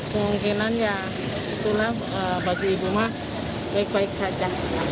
kemungkinan ya itulah bagi ibu mah baik baik saja